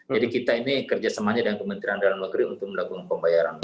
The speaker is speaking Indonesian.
jadi kita ini kerjasamanya dengan kementerian dalam negeri untuk melakukan pembayaran